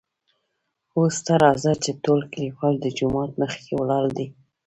اوس ته راځه چې ټول کليوال دجومات مخکې ولاړ دي .